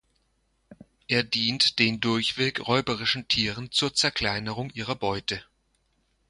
Er dient den durchweg räuberischen Tieren zur Zerkleinerung ihrer Beute.